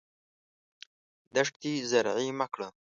دښتې زرعي مه کړه.